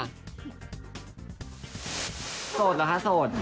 โสดเหรอคะโสด